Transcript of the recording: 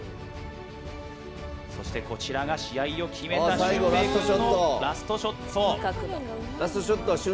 そして、こちらが試合を決めたしゅんぺーくんのラストショット。